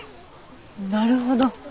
なるほど。